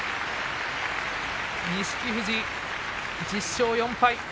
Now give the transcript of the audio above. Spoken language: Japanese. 錦富士１０勝４敗。